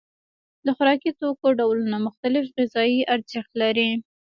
د خوراکي توکو ډولونه مختلف غذایي ارزښت لري.